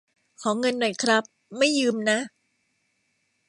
ขอเงินหน่อยครับ ไม่ยืมนะ